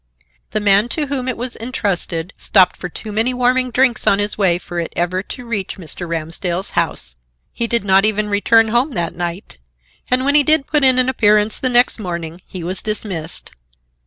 The man to whom it was intrusted stopped for too many warming drinks on his way for it ever to reach Mr. Ramsdell's house. He did not even return home that night, and when he did put in an appearance the next morning, he was dismissed.